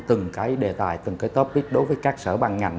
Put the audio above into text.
từng cái đề tài từng cái topic đối với các sở ban ngành